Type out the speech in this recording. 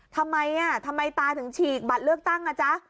ทำไมทำไมตาถึงฉีกบัตรเลือกตั้งอ่ะจ๊ะ